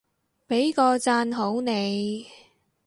畀個讚好你